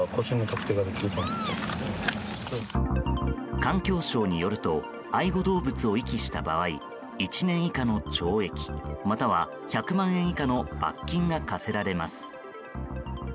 環境省によると愛護動物を遺棄した場合１年以下の懲役または１００万円以下の罰金が科せられます。